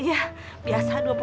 ada apa mak